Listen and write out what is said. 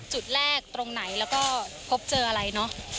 จุดแรกตรงไหนแล้วก็พบเจออะไรเนอะ